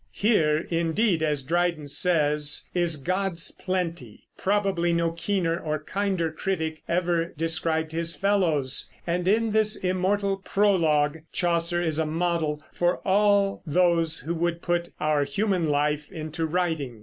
"Here," indeed, as Dryden says, "is God's plenty." Probably no keener or kinder critic ever described his fellows; and in this immortal "Prologue" Chaucer is a model for all those who would put our human life into writing.